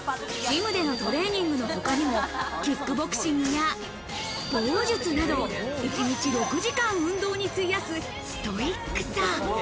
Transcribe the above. ジムでのトレーニングのほかにも、キックボクシングや棒術など、一日６時間運動に費やすストイックさ。